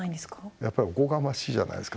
やっぱりおこがましいじゃないですか